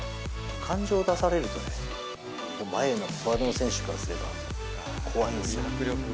感情を出されるとね、前のフォワードの選手からすれば怖いんですよ。